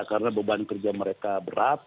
karena beban kerja mereka berat